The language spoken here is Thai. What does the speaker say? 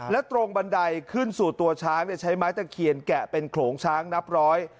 และตรงบันไดขึ้นสู่ตัวช้างใช้ไม้ตะเคียนแกะเป็นโขลงช้างนับร้อย